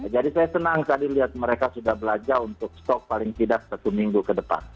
jadi saya senang tadi melihat mereka sudah belajar untuk stok paling tidak satu minggu ke depan